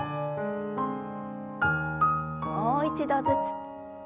もう一度ずつ。